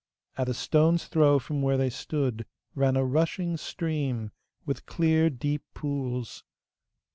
At a stone's throw from where they stood ran a rushing stream, with clear deep pools.